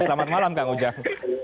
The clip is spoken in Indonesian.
selamat malam kang ujang